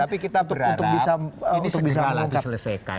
tapi kita berharap ini segeralah diselesaikan